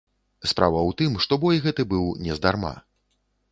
Справа ў тым, што бой гэты быў нездарма.